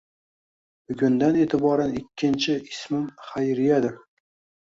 Bugundan e'tiboran ikkinchn ismim Xayriyadir.